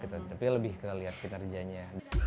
tapi lebih kelihat kinerjanya